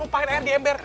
lupakan air di ember